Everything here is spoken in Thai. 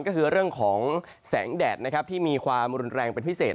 ก็คือเรื่องของแสงแดดนะครับที่มีความรุนแรงเป็นพิเศษ